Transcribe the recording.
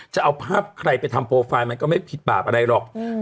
จะเอาภาพใครไปทำโปรไฟล์มันก็ไม่ผิดบาปอะไรหรอก